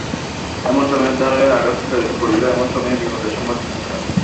এমন সময়ে দ্বারে আঘাত পড়িল, এমন সময়ে বিপদের সংবাদ শুনিতে পাইলেন।